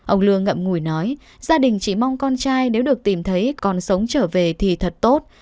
ông lương ngậm ngùi nói gia đình chỉ mong con trai nếu được tìm thấy còn sống trở về thì thật tốt